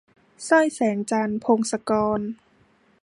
สร้อยแสงจันทร์ - พงศกร